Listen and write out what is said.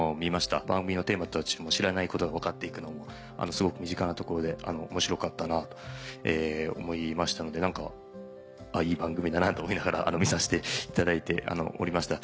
番組のテーマ知らないことが分かっていくのもすごく身近なところで面白かったなと思いましたのでいい番組だなと思いながら見させていただいておりました。